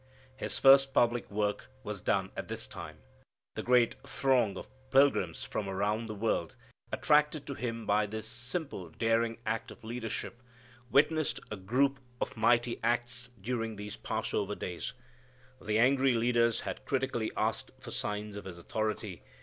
His first public work was done at this time. The great throng of pilgrims from around the world, attracted to Him by this simple daring act of leadership, witnessed a group of mighty acts during these Passover days. The angry leaders had critically asked for "signs" of His authority.